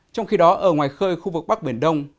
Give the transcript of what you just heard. trong khi đó ở ngoài khơi khu vực bắc biển đông